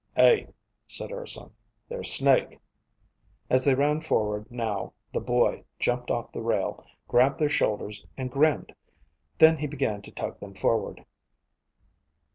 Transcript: "Hey," said Urson. "There's Snake." As they ran forward, now, the boy jumped off the rail, grabbed their shoulders, and grinned. Then he began to tug them forward.